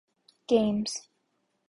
Games.